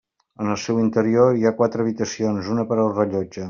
En el seu interior hi ha quatre habitacions, una per al rellotge.